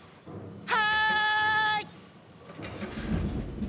はい！